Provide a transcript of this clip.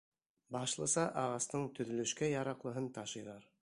Башлыса ағастың төҙөлөшкә яраҡлыһын ташыйҙар.